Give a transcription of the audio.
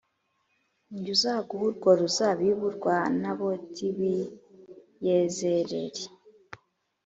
Ni jye uzaguha urwo ruzabibu rwa Naboti w’i Yezerēli